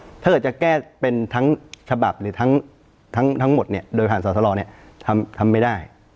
ถ้าเกิดจะแก้เป็นทั้งฉบับหรือทั้งหมดเนี่ยโดยผ่านสอสรเนี่ยทำไม่ได้